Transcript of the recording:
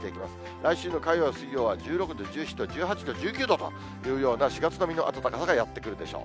来週の火曜、水曜は１６度、１７度、１８度、１９度というような、４月並みの暖かさがやって来るでしょう。